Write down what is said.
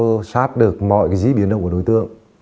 theo sát được mọi cái dí biến động của đối tượng